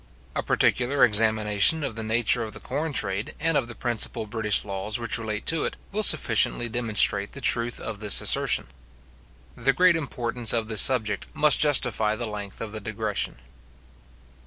A particular examination of the nature of the corn trade, and of the principal British laws which relate to it, will sufficiently demonstrate the truth of this assertion. The great importance of this subject must justify the length of the digression.